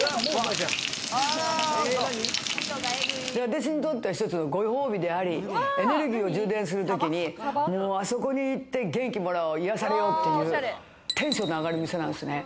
私にとってはご褒美であり、エネルギーを充電するときに、あそこに行って元気もらおうっていうテンションの上がる店なんですね。